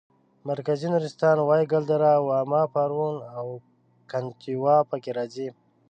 مرکزي نورستان وایګل دره واما پارون او کنتیوا پکې راځي.